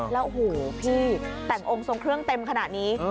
แล้วโอ้โหพี่แต่งองค์ทรงเครื่องเต็มขนาดนี้